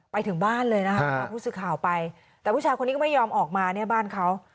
ไปถึงบ้านเลยนะคะพาผู้สื่อข่าวไปแต่ผู้ชายคนนี้ก็ไม่ยอมออกมาเนี่ยบ้านเขา